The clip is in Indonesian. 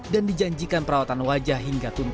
dan dijanjikan perawatan wajah